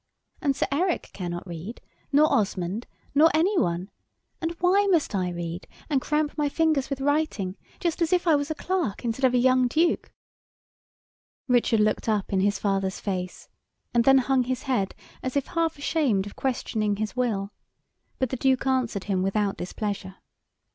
"And Sir Eric cannot read, nor Osmond, nor any one, and why must I read, and cramp my fingers with writing, just as if I was a clerk, instead of a young Duke?" Richard looked up in his father's face, and then hung his head, as if half ashamed of questioning his will, but the Duke answered him without displeasure.